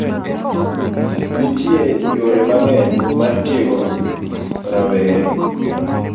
Nitie yore mang'eny mar tiego rawere.